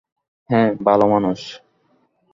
হ্যাঁ, ভালো মানুষ।